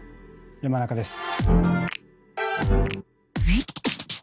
山中です。